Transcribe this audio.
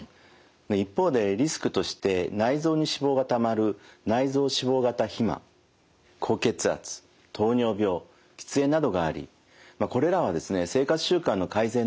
一方でリスクとして内臓に脂肪がたまる内臓脂肪型肥満高血圧糖尿病喫煙などがありこれらはですね生活習慣の改善で対応できます。